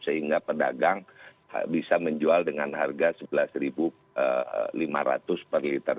sehingga pedagang bisa menjual dengan harga sebelas ribu per liter